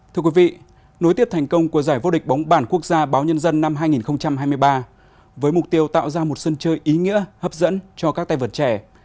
thưa quý vị nối tiếp thành công của giải vô địch bóng bàn quốc gia báo nhân dân năm hai nghìn hai mươi ba với mục tiêu tạo ra một sân chơi ý nghĩa hấp dẫn cho các tay vật trẻ